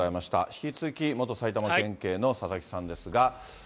引き続き、元埼玉県警のささきさんですが。